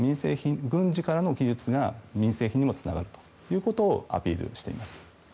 軍事からの技術が民生品にもつながるということをアピールしています。